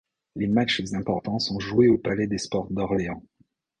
Les matchs importants sont joués au palais des sports d'Orléans.